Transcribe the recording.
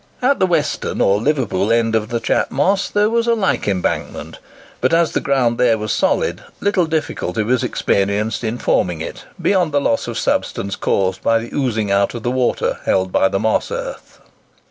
At the western, or Liverpool end of the Chat Moss, there was a like embankment; but, as the ground there was solid, little difficulty was experienced in forming it, beyond the loss of substance caused by the oozing out of the water held by the moss earth.